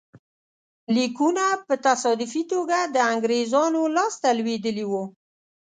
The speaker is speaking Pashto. لیکونه په تصادفي توګه د انګرېزانو لاسته لوېدلي وو.